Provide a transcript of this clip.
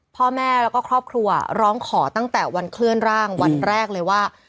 พ่อแม่แล้วก็ครอบครัวร้องขอตั้งแต่วันเคลื่อนร่างวันแรกเลยว่า